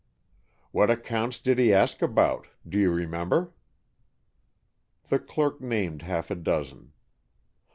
"What accounts did he ask about? Do you remember?" The clerk named half a dozen.